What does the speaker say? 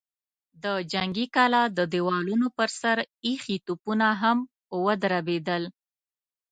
د جنګي کلا د دېوالونو پر سر ايښي توپونه هم ودربېدل.